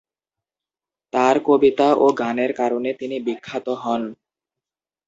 তার কবিতা ও গানের কারণে তিনি বিখ্যাত হন।